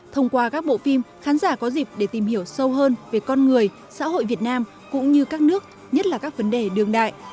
thông qua các bộ phim khán giả có dịp để tìm hiểu sâu hơn về con người xã hội việt nam cũng như các nước nhất là các vấn đề đường đại